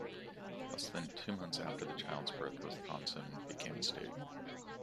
Less than two months after the child's birth, Wisconsin became a state.